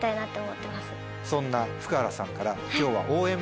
そんな福原さんから今日は。